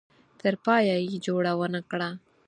تر پایه یې جوړه ونه کړه.